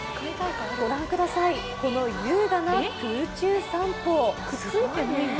御覧ください、この優雅な空中散歩